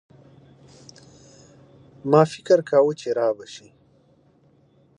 ما فکر کاوه چي رابه شي.